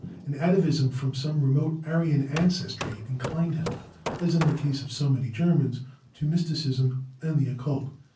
An atavism from some remote Aryan ancestry inclined him, as in the case of so many Germans, to mysticism and the occult.